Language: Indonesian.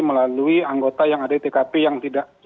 melalui anggota yang ada di tkp yang tidak